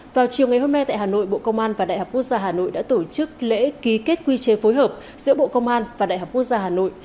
vào chiều ngày hôm nay tại hà nội bộ công an và đại học quốc gia hà nội đã tổ chức lễ ký kết quy chế phối hợp giữa bộ công an và đại học quốc gia hà nội